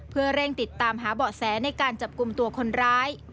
เพื่อเร่งติดตามหาเบาะแสในการจับกลุ่มตัวคนร้าย